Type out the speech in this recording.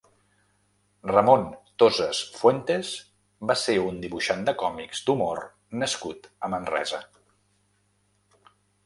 Ramon Tosas Fuentes va ser un dibuixant de còmics d'humor nascut a Manresa.